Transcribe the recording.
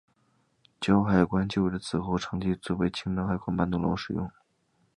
胶海关旧址此后长期作为青岛海关办公楼使用。